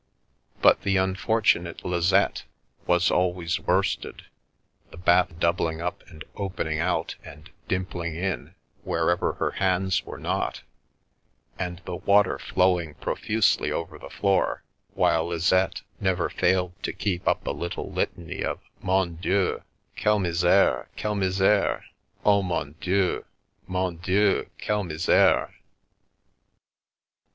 But the unfortunate Lizette was 262 Mostly on Food and Money always worsted, the bath doubling up and opening out and dimpling in, wherever her hands were not, and the water flowing profusely over the floor; while Lizette never failed to keep up a little litany of " Mon Dieu, quelle misere! Quelle misere! Oh, mon Dieu, mon Dieu, quelle misere